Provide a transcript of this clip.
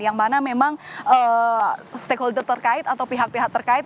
yang mana memang stakeholder terkait atau pihak pihak terkait